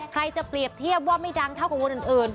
ใครจะเปรียบเทียบว่าไม่ดังเท่ากับคนอื่น